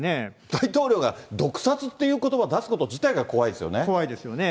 大統領が毒殺っていうことば出すこと自体が怖いですよね。